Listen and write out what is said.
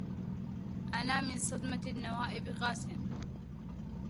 أنا من صدمة النوائب قاس